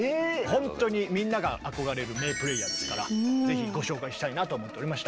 本当にみんなが憧れる名プレイヤーですからぜひご紹介したいなと思っておりました。